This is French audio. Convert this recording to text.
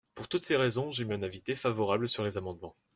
Pour toutes ces raisons, j’émets un avis défavorable sur les amendements.